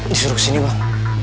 disuruh kesini bang